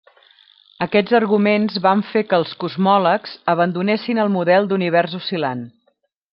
Aquests arguments van fer que els cosmòlegs abandonessin el model d'univers oscil·lant.